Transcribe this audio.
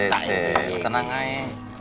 sese sese tenang aja